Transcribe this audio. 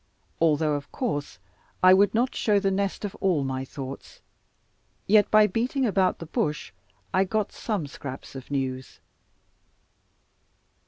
Although, of course, I would not show the nest of all my thoughts, yet by beating about the bush, I got some scraps of news.